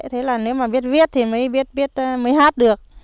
thế là nếu mà biết viết thì mới biết mới hát được